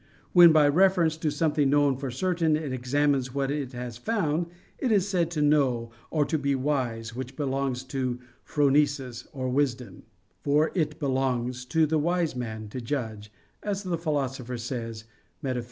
When, by reference to something known for certain, it examines what it has found, it is said to know or to be wise, which belongs to "phronesis" or "wisdom"; for "it belongs to the wise man to judge," as the Philosopher says (Metaph.